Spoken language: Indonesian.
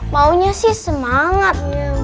maunya sih semangat